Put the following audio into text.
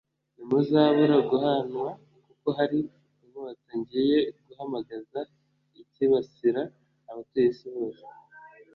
Ntimuzabura guhanwa kuko hari inkota ngiye guhamagaza ikibasira abatuye isi bose